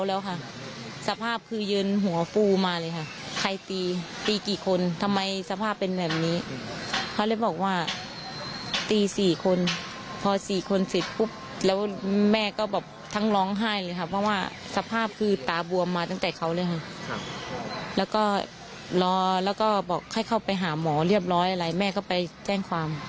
แล้วก็รอแล้วก็บอกให้เข้าไปหาหมอเรียบร้อยอะไรแม่ก็ไปแจ้งความ